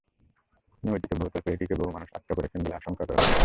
নিমজ্জিত বহুতল ফেরিটিতে বহু মানুষ আটকা পড়ে আছে বলে আশঙ্কা করা হচ্ছে।